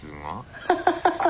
ハハハハ！